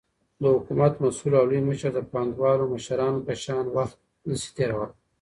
دحكومت مسؤل او لوى مشر دپانگوالو مشرانو په شان وخت نسي تيرولاى،